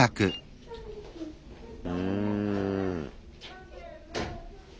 うん。